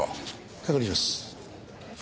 確認します。